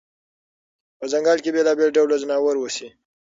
په ځنګل کې بېلابېل ډول ځناور اوسي.